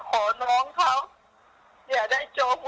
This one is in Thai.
ก็คือแม่ให้เขาแต่ถ้ายังไงแม่ก็จะขอน้องเขา